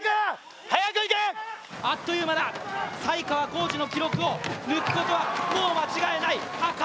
あっという間だ、才川コージの記録を抜くことはもう間違いない。